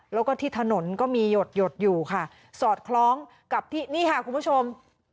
แล้วก็ที่ถนนก็มีหยดอยู่ค่ะสอดคล้องกับที่นี่ค่ะคุณผู้ชม